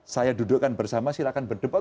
saya dudukkan bersama silahkan berdebat